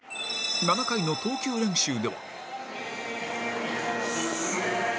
７回の投球練習では